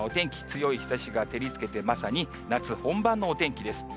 強い日ざしが照りつけて、まさに夏本番のお天気です。